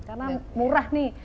karena murah nih